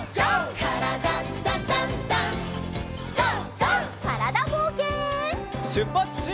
からだぼうけん。